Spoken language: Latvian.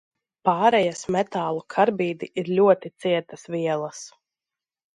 Pārejas metālu karbīdi ir ļoti cietas vielas.